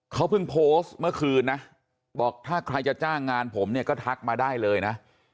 เขาเพิ่งโพสต์เมื่อคืนนะบอกถ้าใครจะจ้างงานผมเนี่ยก็ทักมาได้เลยนะ